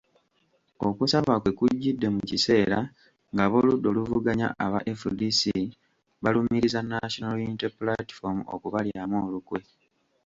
Okusaba kwe kujjidde mu kiseera nga ab’oludda oluvuganya aba FDC balumiriza National Unity Platform okubalyamu olukwe .